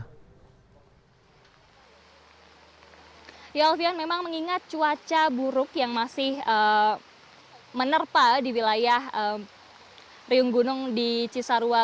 hai yolvian memang mengingat cuaca buruk yang masih menerpa di wilayah riung gunung di cisarua